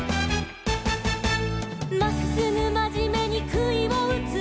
「まっすぐまじめにくいをうつ」